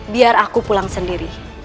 biar aku pulang sendiri